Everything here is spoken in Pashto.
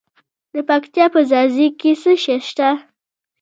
د پکتیا په ځاځي کې څه شی شته؟